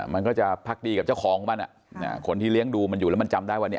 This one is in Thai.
มันก็จะพักดีกับเจ้าของของมันคนที่เลี้ยงดูมันอยู่แล้วมันจำได้ว่าเนี่ย